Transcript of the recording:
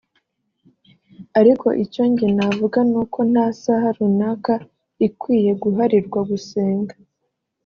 Ariko icyo njye navuga nuko nta saha runaka ikwiye guharirwa gusenga